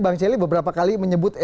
bang celi beberapa kali menyebut